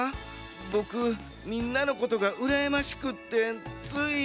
ボクみんなのことがうらやましくってつい。